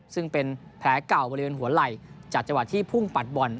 ซึ่งเป็นแผลเก่าบริเวณหัวไหล่จากจังหวะที่พุ่งปัดบ่อน